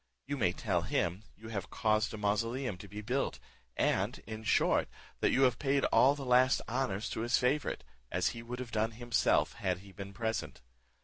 You may tell him, you have caused a mausoleum to be built, and, in short, that you have paid all the last honours to his favourite, as he would have done himself had he been present.